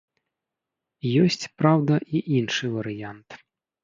Ёсць, праўда, і іншы варыянт.